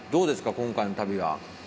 今回の旅は。